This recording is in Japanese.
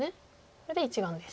これで１眼です。